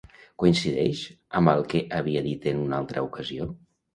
Coincideix amb el que havia dit en una altra ocasió?